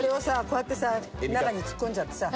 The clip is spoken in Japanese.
こうやってさ中に突っ込んじゃってさ。